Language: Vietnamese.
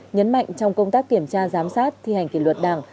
nhấn mạnh trong công tác kiểm tra giám sát thi hành kỷ luật đảng